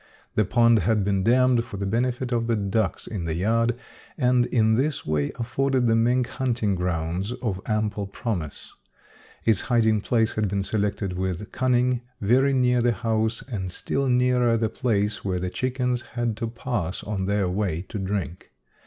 The pond had been dammed for the benefit of the ducks in the yard, and in this way afforded the mink hunting grounds of ample promise. Its hiding place had been selected with cunning, very near the house and still nearer the place where the chickens had to pass on their way to drink.